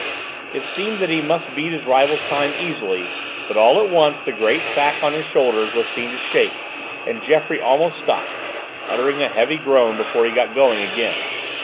It seemed that he must beat his rival's time easily, but all at once the great sack on his shoulders was seen to shake, and Geoffroy almost stopped, uttering a heavy groan before he got going again.